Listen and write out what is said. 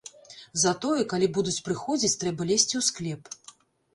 Затое, калі будуць прыходзіць, трэба лезці ў склеп.